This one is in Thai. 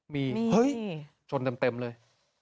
มีเฮ้ยชนเต็มเลย